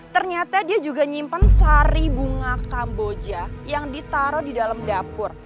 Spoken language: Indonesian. ternyata dia juga nyimpan sari bunga kamboja yang ditaruh di dalam dapur